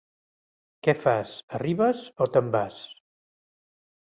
Què fas, arribes o te'n vas?